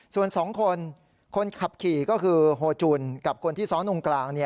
ส่วน๒คนคนขับขี่ก็คือโฮจุนกับคนที่ซ้อนตรงกลาง